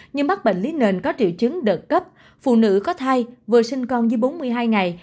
nhưng mắc bệnh lý nền có triệu chứng đợt cấp phụ nữ có thai vừa sinh con dưới bốn mươi hai ngày